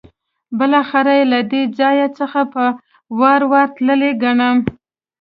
بالاخره یې له دې ځای څخه په وار وار تللی ګڼم.